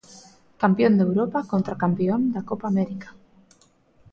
Campión de Europa contra Campión da Copa América.